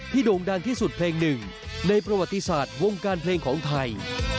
โด่งดังที่สุดเพลงหนึ่งในประวัติศาสตร์วงการเพลงของไทย